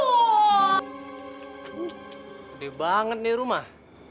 kedih banget nih rumah